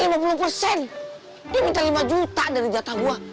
dia minta lima juta dari jatah buah